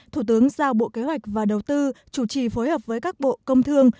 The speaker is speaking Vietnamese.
thủ tướng giao bộ kế hoạch và đầu tư chủ trì phối hợp với các bộ công thương